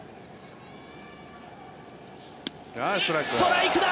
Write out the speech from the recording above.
ストライクだ！